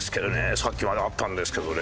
さっきまであったんですけどね」